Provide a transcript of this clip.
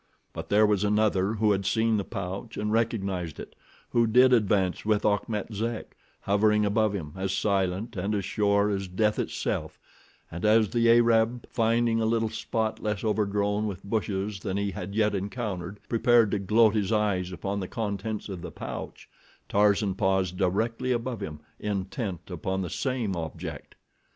But there was another who had seen the pouch and recognized it, who did advance with Achmet Zek, hovering above him, as silent and as sure as death itself, and as the Arab, finding a little spot less overgrown with bushes than he had yet encountered, prepared to gloat his eyes upon the contents of the pouch, Tarzan paused directly above him, intent upon the same object.